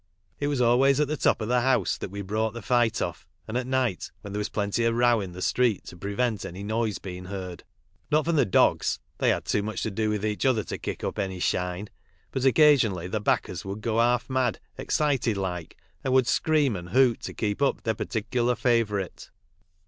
It was always at the top of the house that we brought the fight off, and at night, when there was plenty of row in the street to prevent any noise bein' heard. Not from the dogs, they had too much to do with each other to kick up any shine, but occasionally the backers would go half mad, excited like, and would scream and hoot to keep up tbeir partic'lar favourite.